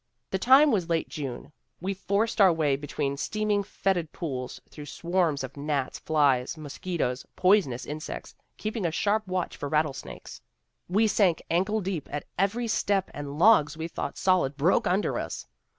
The time was late June; we forced our way between steam ing, fetid pools, through swarms of gnats, flies, mos quitoes, poisonous insects, keeping a sharp watch for rattlesnakes. We sank ankle deep at every step and logs we thought solid broke under us.